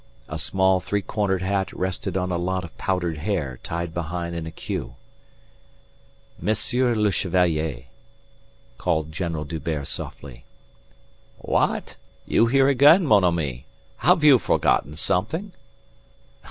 A small three cornered hat rested on a lot of powdered hair tied behind in a queue. "Monsieur le Chevalier," called General D'Hubert softly. "What? You again here, mon ami? Have you forgotten something?"